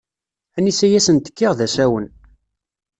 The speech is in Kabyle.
Anisa i asent-kkiɣ d asawen.